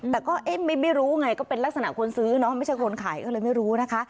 แต่ก็เอ๊ะไม่รู้ไงก็เป็นลักษณะคนซื้อเนาะไม่ใช่คนขายก็เลยไม่รู้นะคะ